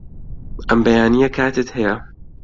ئەم بەیانییە کاتت هەیە؟